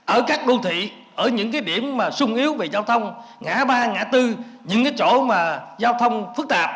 ở các đô thị ở những điểm sung yếu về giao thông ngã ba ngã tư những chỗ giao thông phức tạp